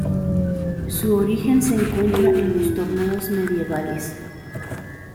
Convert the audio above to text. Su origen se encuentra en los torneos medievales.